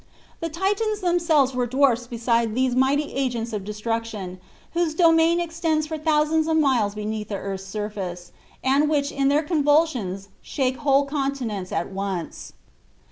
The Titans themselves were dwarfs beside these mighty agents of destruction whose domain extends for thousands of miles beneath the earth's surface and which in their convulsions shake whole continents at once.